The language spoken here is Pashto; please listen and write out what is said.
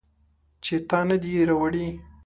چې تا نه دي راوړي